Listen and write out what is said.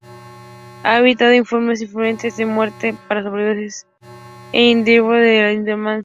Ha habido informes infrecuentes de muerte por sobredosis o uso indebido de la lidocaína.